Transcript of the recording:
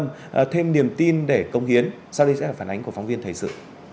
mở thêm niềm tin để công hiến sau đây sẽ là phản ánh của phóng viên thầy sự